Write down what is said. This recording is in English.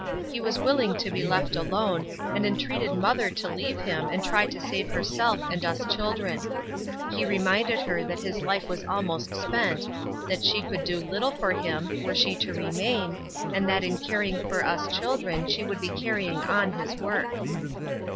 He was willing to be left alone, and entreated mother to leave him and try to save herself and us children. He reminded her that his life was almost spent, that she could do little for him were she to remain, and that in caring for us children she would be carrying on his work.